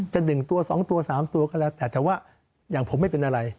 ๑ตัว๒ตัว๓ตัวก็แล้วแต่แต่ว่าอย่างผมไม่เป็นอะไร